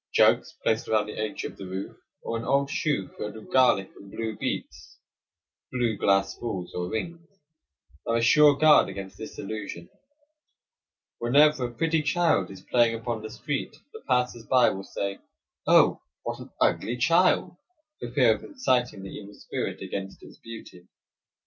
Jugs placed around the edge of the roof, or an old shoe filled with garlic and blue beets (blue glass balls or rings) are a sure guard against this illusion. Whenever a pretty child is playing upon the street the passers by will say: "Oh, what an ugly child!" for fear of inciting the evil spirit against its beauty.